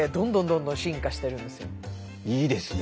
いいですね。